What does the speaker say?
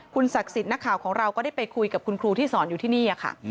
ศักดิ์สิทธิ์นักข่าวของเราก็ได้ไปคุยกับคุณครูที่สอนอยู่ที่นี่ค่ะ